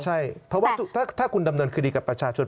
ใช่เพราะว่าถ้าคุณดำเนินคดีกับประชาชน